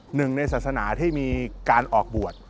หนึ่งในศาสนาที่มีการออกบวช